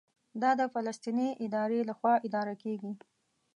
دا د فلسطیني ادارې لخوا اداره کېږي.